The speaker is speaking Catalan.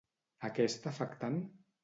A què està afectant?